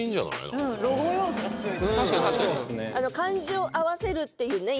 何か漢字を合わせるっていうね